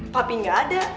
papi gak ada